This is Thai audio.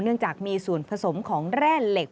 เนื่องจากมีส่วนผสมของแร่เหล็ก